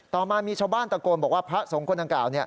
ต่อมามีชาวบ้านตะโกนบอกว่าพระสงฆ์คนดังกล่าว